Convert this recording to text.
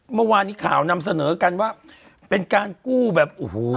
เมื่อวานนี้ข่าวนำเสนอกันว่าเป็นการกู้แบบโอ้โห